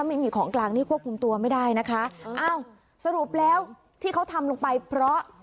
ไม่มีของกลางนี่ควบคุมตัวไม่ได้นะคะอ้าวสรุปแล้วที่เขาทำลงไปเพราะ